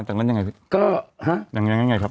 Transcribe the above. นะคะดังนั้นยังไงครับ